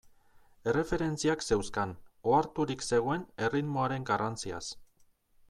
Erreferentziak zeuzkan, oharturik zegoen erritmoaren garrantziaz.